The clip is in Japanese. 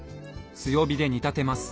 強火で煮立てます。